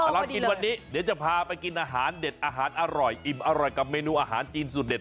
ตลอดกินวันนี้เดี๋ยวจะพาไปกินอาหารเด็ดอาหารอร่อยอิ่มอร่อยกับเมนูอาหารจีนสุดเด็ด